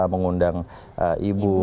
mengundang ibu ibu